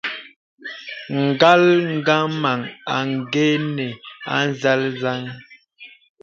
Ngal ngəməŋ àngənə́ à nzāl nzə́n.